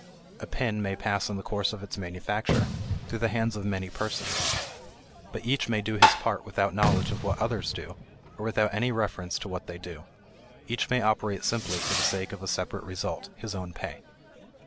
A pin may pass in the course of its manufacture through the hands of many persons. But each may do his part without knowledge of what others do or without any reference to what they do; each may operate simply for the sake of a separate result his own pay.